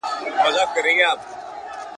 ور په زړه یې تش دېګدان د خپل ماښام سو ..